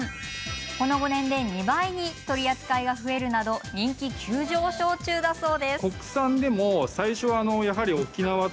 この５年で２倍に取り扱いが増えるなど、人気急上昇中だそう。